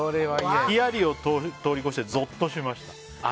ヒヤリを通り越してぞっとしました。